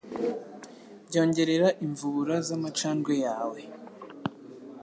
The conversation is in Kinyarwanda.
byongerera imvubura z'amacandwe yawe